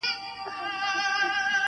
• یو بلبل وو د ښکاري دام ته لوېدلی -